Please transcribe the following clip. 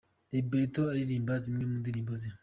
Roberto aririmba zimwe mu ndirimbo ze.